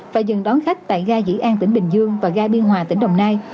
và dừng đón khách tại gà vĩ an tỉnh bình dương và gà biên hòa tỉnh đồng nai